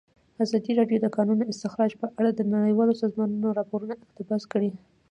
ازادي راډیو د د کانونو استخراج په اړه د نړیوالو سازمانونو راپورونه اقتباس کړي.